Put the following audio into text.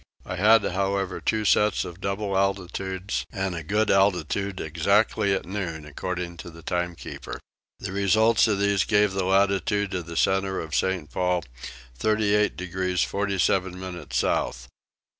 I had however two sets of double altitudes and a good altitude exactly at noon according to the timekeeper. The result of these gave for the latitude of the centre of St. Paul 38 degrees 47 minutes south.